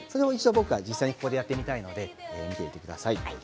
実際に、ここでやってみたいと思いますし見ていてください。